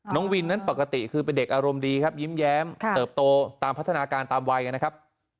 น้องวินนั้นปกติคือเป็นเด็กอารมณ์ดีครับยิ้มแย้มเติบโตตามพัฒนาการตามวัยนะครับ